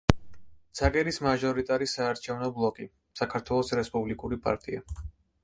ცაგერის მაჟორიტარი საარჩევნო ბლოკი: საქართველოს რესპუბლიკური პარტია.